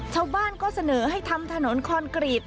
ชาวบ้านก็เสนอให้ทำถนนคอนกรีต